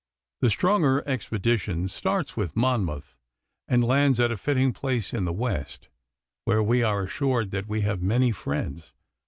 'The stronger expedition starts with Monmouth, and lands at a fitting place in the West, where we are assured that we have many friends.